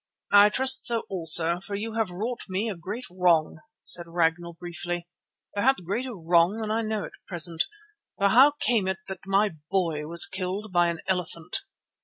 "I trust so also, for you have wrought me a great wrong," said Ragnall briefly, "perhaps a greater wrong than I know at present, for how came it that my boy was killed by an elephant?"